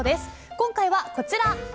今回はこちら。